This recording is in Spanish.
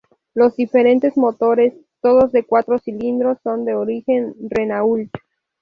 Los diferentes motores, todos de cuatro cilindros; son de origen Renault.